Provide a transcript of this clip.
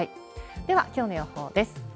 では、きょうの予報です。